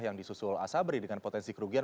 yang disusul asabri dengan potensi kerugian